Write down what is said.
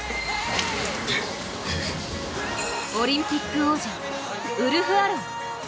オリンピック王者ウルフアロン。